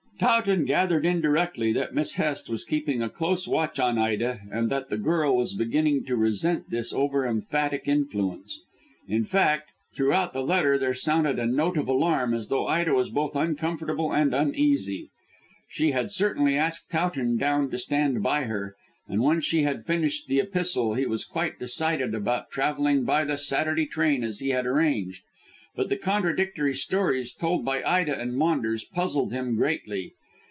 Towton gathered indirectly that Miss Hest was keeping a close watch on Ida, and that the girl was beginning to resent this over emphatic influence. In fact, throughout the letter there sounded a note of alarm, as though Ida was both uncomfortable and uneasy. She certainly pointedly asked Towton down to stand by her, and when he had finished the epistle he was quite decided about travelling by the Saturday train as he had arranged. But the contradictory stories told by Ida and Maunders puzzled him greatly.